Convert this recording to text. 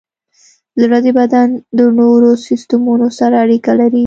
زړه د بدن د نورو سیستمونو سره اړیکه لري.